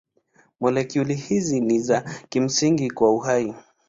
Molekuli hizi ni za kimsingi kwa uhai.